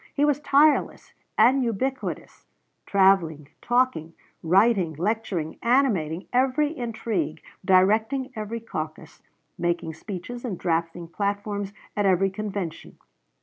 He was tireless and ubiquitous; traveling, talking, writing, lecturing, animating every intrigue, directing every caucus, making speeches and drafting platforms at every convention.